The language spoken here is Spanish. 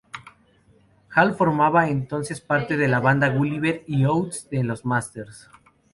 Hall formaba entonces parte de la banda Gulliver y Oates de los Masters.